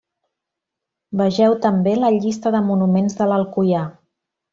Vegeu també la llista de monuments de l'Alcoià.